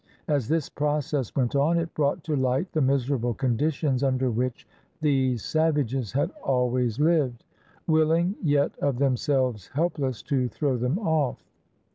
As this process went on it brought to light the miserable conditions under which these savages had always lived, — willing, yet of them selves helpless, to throw them off.